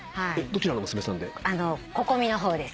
どちらの娘さんで？